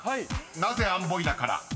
なぜ「アンボイナ」から？］